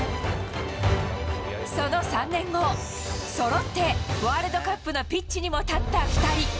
その３年後、そろってワールドカップのピッチにも立った２人。